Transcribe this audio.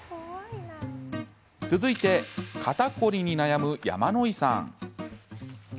続いて、肩凝りに悩む山野井さん。